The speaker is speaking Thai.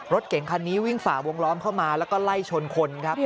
รถเก่งคันนี้วิ่งฝ่าวงล้อมเข้ามาแล้วก็ไล่ชนคนครับ